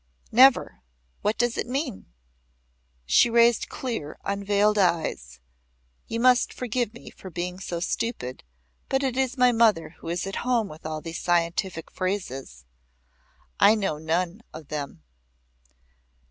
"Never. What does it mean?" She raised clear unveiled eyes. "You must forgive me for being so stupid, but it is my mother who is at home with all these scientific phrases. I know none of them."